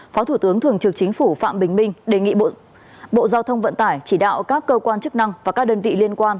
phó thủ tướng thường trực chính phủ phạm bình minh đề nghị bộ giao thông vận tải chỉ đạo các cơ quan chức năng và các đơn vị liên quan